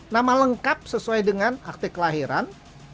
nama lengkap sesuai dengan akte kelahiran